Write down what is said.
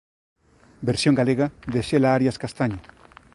Versión galega de Xela Arias Castaño